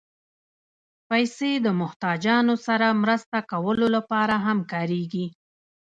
پېسې د محتاجانو سره مرسته کولو لپاره هم کارېږي.